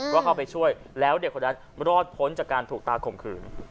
ก็เข้าไปช่วยแล้วเด็กคนนั้นรอดพ้นจากการถูกตาข่มขืน